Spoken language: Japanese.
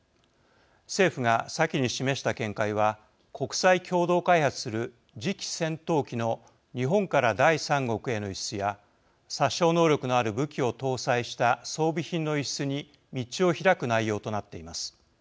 政府が先に示した見解は国際共同開発する次期戦闘機の日本から第三国への輸出や殺傷能力のある武器を搭載した装備品の輸出に道を開く内容となっています。